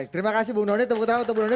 terima kasih bung doni